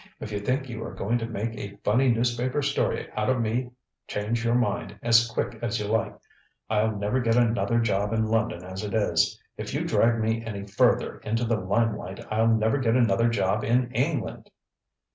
If you think you are going to make a funny newspaper story out of me change your mind as quick as you like. I'll never get another job in London as it is. If you drag me any further into the limelight I'll never get another job in England.